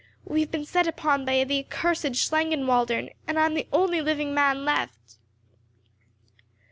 We have been set upon by the accursed Schlangenwaldern, and I am the only living man left."